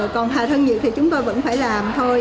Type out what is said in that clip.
còn hạ thân nhiệt thì chúng tôi vẫn phải làm thôi